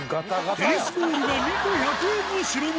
テニスボールが２個１００円の代物。